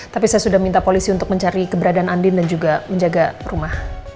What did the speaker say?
tapi saya sudah minta polisi untuk mencari keberadaan andin dan juga menjaga rumah